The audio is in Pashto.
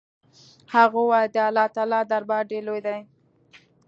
هغه وويل د الله تعالى دربار ډېر لوى دې.